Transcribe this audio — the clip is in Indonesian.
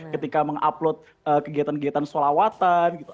ketika mengupload kegiatan kegiatan sholawatan gitu